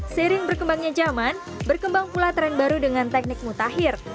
seiring berkembangnya zaman berkembang pula tren baru dengan teknik mutakhir